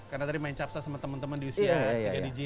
karena tadi main capsa sama temen temen di usia tiga digit